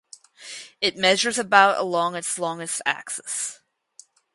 It measures about along its longest axis.